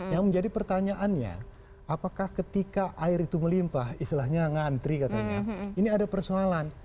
yang menjadi pertanyaannya apakah ketika air itu melimpah istilahnya ngantri katanya ini ada persoalan